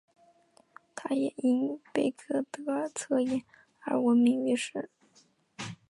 她也因贝克德尔测验而闻名于世。